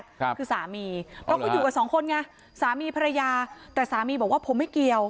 คือสามีเพราะเขาอยู่กับสองคนไงสามีภรรยาแต่สามีบอกว่าผมไม่เกี่ยว